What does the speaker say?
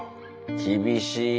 厳しい。